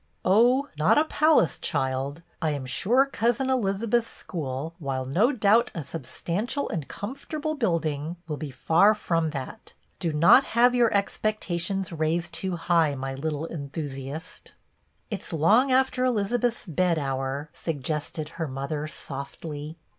" Oh, not a palace, child. I am sure Cousin Elizabeth's school, while no doubt a substan tial and comfortable building, will be far from that. Do not have your expectations raised too high, my little enthusiast." " It 's long after Elizabeth's bed hour," sug gested her mother, softly.